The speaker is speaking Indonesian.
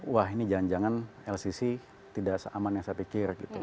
wah ini jangan jangan lcc tidak seaman yang saya pikir